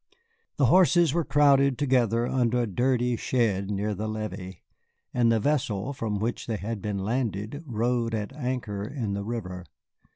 The horses were crowded together under a dirty shed near the levee, and the vessel from which they had been landed rode at anchor in the river.